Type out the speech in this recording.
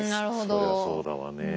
そりゃそうだわね。